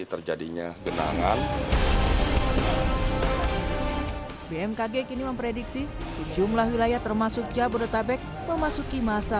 terjadinya genangan bmkg kini memprediksi sejumlah wilayah termasuk jabodetabek memasuki masa